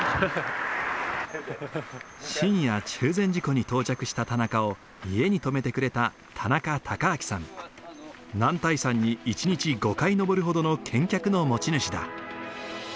深夜中禅寺湖に到着した田中を家に泊めてくれた男体山に一日５回登るほどの健脚の持ち主だ。